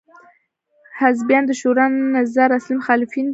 حزبیان د شورا نظار اصلي مخالفین دي.